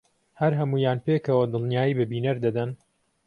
هەر هەموویان پێکەوە دڵنیایی بە بینەر دەدەن